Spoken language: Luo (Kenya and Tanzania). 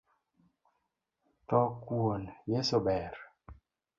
Tho kuon yeso ber.